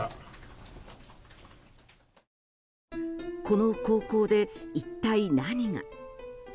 この高校で一体何が。